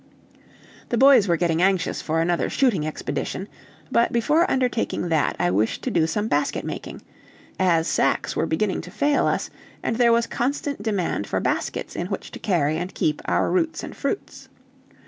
The boys were getting anxious for another shooting expedition; but before undertaking that, I wished to do some basket making, as sacks were beginning to fail us, and there was constant demand for baskets in which to carry and keep our roots and fruits.